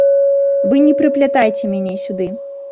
Вы не прыплятайце мяне сюды.